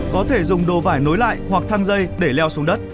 có thể dùng đồ vải nối lại hoặc thang dây để leo xuống đất